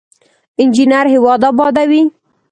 انجینر هیواد ابادوي